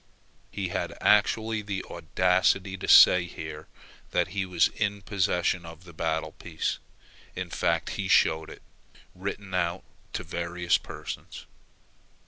He had actually the audacity to say here that he was in possession of the battle piece; in fact he showed it, written out, to various persons.